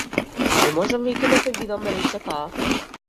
Не можам веќе да те видам, рече таа.